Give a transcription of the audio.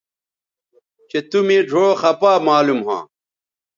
چہء تُو مے ڙھؤ خپا معلوم ھواں